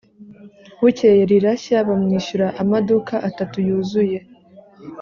bukeye rirashya bamwishyura amaduka atatu yuzuye.